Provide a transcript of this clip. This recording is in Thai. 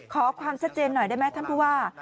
ขอความชัดเจนหน่อยได้ไหมท่านผู้ว่า